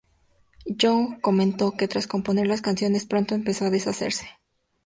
Young comentó que, tras componer las canciones, pronto empezó "a deshacerse".